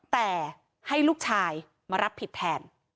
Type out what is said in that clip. แต่ให้ลูกชายมารับผิดแทน